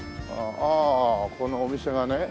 ああこのお店がね。